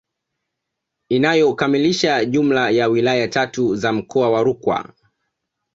Inayokamilisha jumla ya wilaya tatu za mkoa wa Rukwa